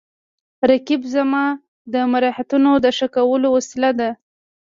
رقیب زما د مهارتونو د ښه کولو وسیله ده